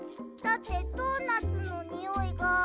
だってドーナツのにおいが。